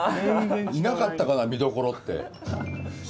いなかったかな見所って。